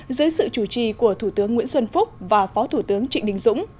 dưới sự chủ trì của thủ tướng nguyễn xuân phúc và phó thủ tướng trịnh đình dũng